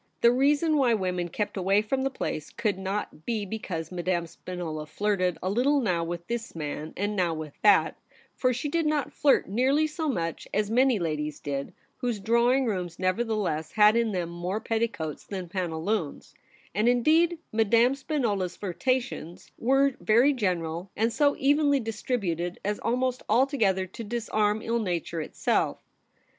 The reason why women kept away from the place could not be because Madame Spinola flirted a little now with this man and now with that, for she did not flirt nearly so much as many ladies did, w^hose drawing rooms nevertheless had in them more petticoats than pantaloons ; and, indeed, Madame Spinola's flirtations were very general, and so evenly distributed as almost altogether to disarm ill nature itself.